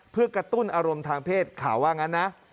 เพื่อกระตุ้นอารมณ์ทางเพศข่าวว่างั้นนะ